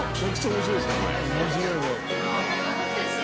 面白いね。